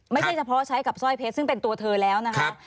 ไม่ใช่เฉพาะใช้กับสร้อยเพชรซึ่งเป็นตัวเธอแล้วนะคะ